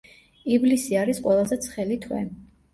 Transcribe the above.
ივლისი არის ყველაზე ცხელი თვე.